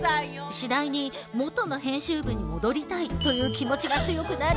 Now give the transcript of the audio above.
次第にもとの編集部に戻りたいという気持ちが強くなり。